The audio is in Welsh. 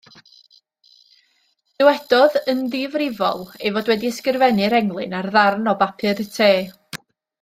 Dywedodd yn ddifrifol ei fod wedi ysgrifennu'r englyn ar ddarn o bapur te.